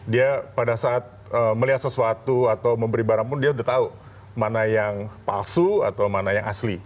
dia pada saat melihat sesuatu atau memberi barang pun dia sudah tahu mana yang palsu atau mana yang asli